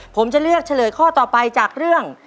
ผมจะเลือกเฉลยข้อต่อไปจากเรื่อง